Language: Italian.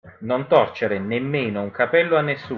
Non torcere [nemmeno] un capello a nessuno.